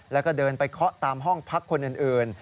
แล้วก็เดินไปเคาะตามห้องพักคนอื่น